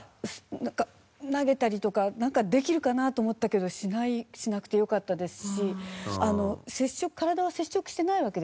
なんか投げたりとかできるかなと思ったけどしなくてよかったですし体は接触してないわけですよ。